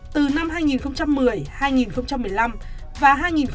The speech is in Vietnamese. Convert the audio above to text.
từ năm hai nghìn một mươi hai nghìn một mươi năm và hai nghìn một mươi năm hai nghìn hai mươi